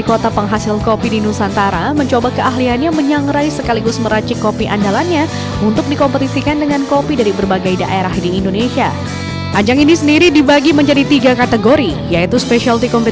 untuk bisa menangkan kompetisi ini yang pertama secara fisik